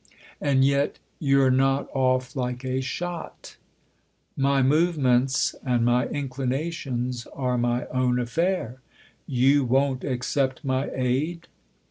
" And yet you're not off like a shot ?"" My movements and my inclinations are my own affair. You won't accept my aid